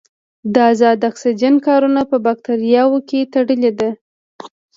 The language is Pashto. د ازاد اکسیجن کارونه په باکتریاوو کې تړلې ده.